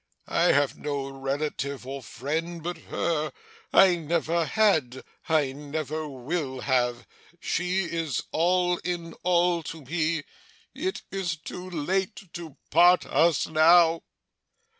I have no relative or friend but her I never had I never will have. She is all in all to me. It is too late to part us now.